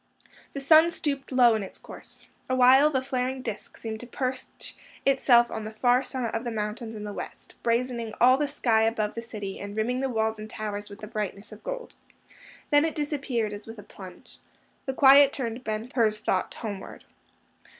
The sun stooped low in its course. Awhile the flaring disk seemed to perch itself on the far summit of the mountains in the west, brazening all the sky above the city, and rimming the walls and towers with the brightness of gold. Then it disappeared as with a plunge. The quiet turned Ben Hur's thought homeward.